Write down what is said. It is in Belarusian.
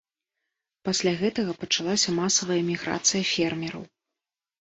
Пасля гэтага пачалася масавая міграцыя фермераў.